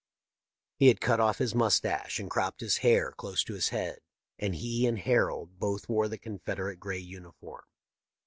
He had cut off his mustaclie and cropped his hair close to his head, and he and Harold both wore the Confederate gray uniform.'